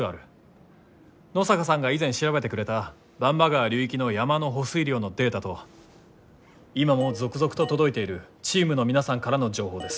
野坂さんが以前調べてくれた番場川流域の山の保水量のデータと今も続々と届いているチームの皆さんからの情報です。